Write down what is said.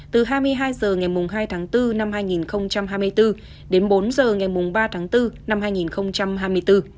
từ hai mươi hai h ngày hai tháng bốn năm hai nghìn hai mươi bốn đến bốn h ngày ba tháng bốn năm hai nghìn hai mươi bốn